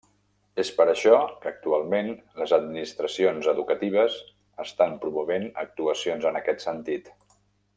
És per això que actualment les Administracions Educatives estan promovent actuacions en aquest sentit.